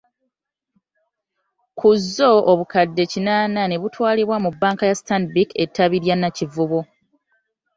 Kuzzo, obukadde kinaana nebabutwala mu banka ya Stanbic ettabi ly'e Nakivubo.